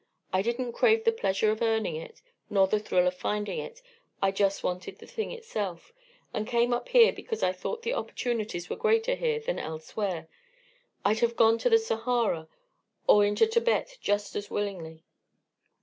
I didn't crave the pleasure of earning it nor the thrill of finding it; I just wanted the thing itself, and came up here because I thought the opportunities were greater here than elsewhere. I'd have gone to the Sahara or into Thibet just as willingly.